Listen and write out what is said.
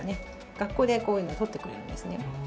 学校でこういうの撮ってくれるんですね